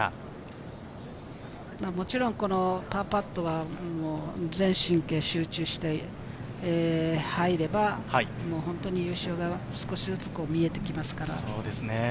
もちろんパーパットは、全神経を集中して、入れば、本当に優勝が少しずつ見えてきますから。